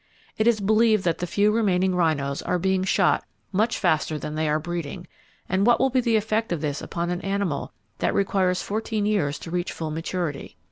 It is believed that the few remaining rhinos are being shot much faster then they are breeding; and what will be the effect of this upon an animal that requires fourteen years to reach full maturity?